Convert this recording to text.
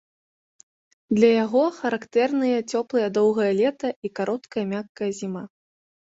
Для яго характэрныя цёплае доўгае лета і кароткая мяккая зіма.